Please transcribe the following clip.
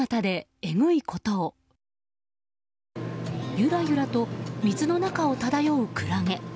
ゆらゆらと水の中を漂うクラゲ。